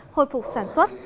khôi phục sản xuất